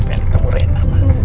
dia akan ketemu rena